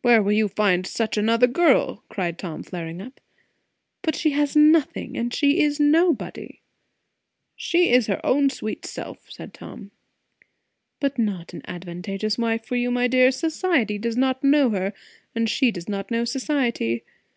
"Where will you find such another girl?" cried Tom, flaring up. "But she has nothing, and she is nobody." "She is her own sweet self," said Tom. "But not an advantageous wife for you, my dear. Society does not know her, and she does not know society.